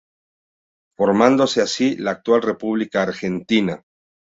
Formándose así la actual República Argentina.